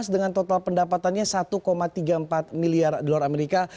dengan total pendapatannya satu tiga puluh empat miliar dolar amerika